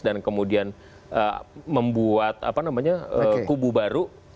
dan kemudian membuat kubu baru